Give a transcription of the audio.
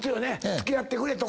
「付き合ってくれ」とか。